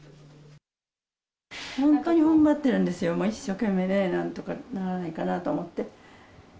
本当にふんばってるんですよ、一生懸命ね、なんとかならないかなと思って。